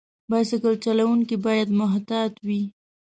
بایسکل چلونکي باید محتاط وي.